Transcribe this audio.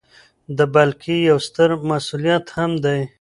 ، بلکې یو ستر مسؤلیت هم دی